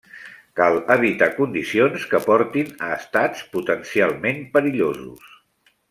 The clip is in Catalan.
Cal evitar condicions que portin a estats potencialment perillosos.